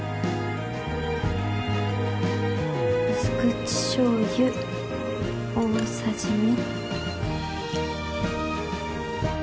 薄口しょうゆ大さじ２。